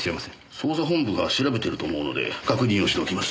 捜査本部が調べてると思うので確認をしておきます。